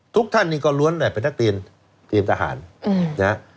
ทุกท่านนี่ก็ล้วนแต่เป็นนักเรียนเตรียมทหารนะ